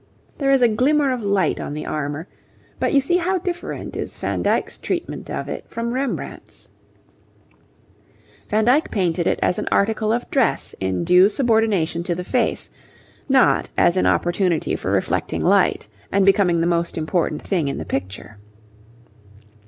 There is a glimmer of light on the armour, but you see how different is Van Dyck's treatment of it from Rembrandt's. Van Dyck painted it as an article of dress in due subordination to the face, not as an opportunity for reflecting light and becoming the most important thing in the picture.